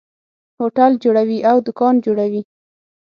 هوټل جوړوي او دکان جوړوي.